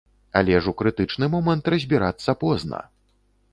Але ж у крытычны момант разбірацца позна!